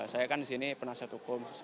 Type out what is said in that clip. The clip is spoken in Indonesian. saya kan disini penasihat hukum